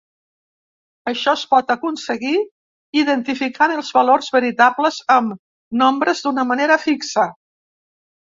Això es pot aconseguir identificant els valors veritables amb nombres d'una manera fixa.